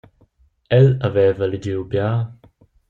El haveva legiu bia.